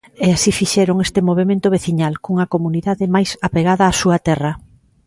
E así fixeron este movemento veciñal, cunha comunidade máis apegada á súa terra.